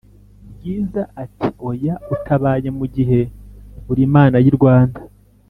bwiza ati"oya utabaye mugihe urimana y'irwanda"